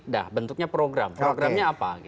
dah bentuknya program programnya apa